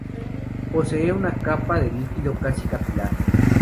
Posee una capa de líquido casi capilar.